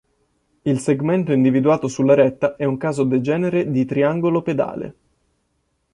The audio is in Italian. Il segmento individuato sulla retta è un caso degenere di triangolo pedale.